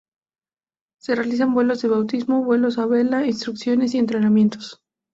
Se realizan vuelos de bautismo, vuelos a vela, instrucciones y entrenamientos.